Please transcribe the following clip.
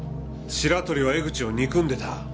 白鳥は江口を憎んでた。